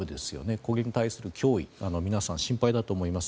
これに対する脅威皆さん心配だと思います。